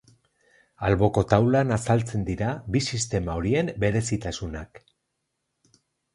Alboko taulan azaltzen dira bi sistema horien berezitasunak.